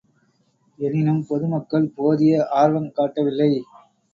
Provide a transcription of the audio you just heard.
எனினும் பொதுமக்கள் போதிய ஆர்வங் காட்டவில்லை.